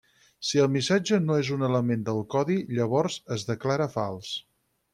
Si el missatge no és un element del codi, llavors es declara fals.